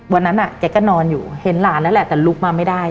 วันนั้นแกก็นอนอยู่เห็นหลานนั่นแหละแต่ลุกมาไม่ได้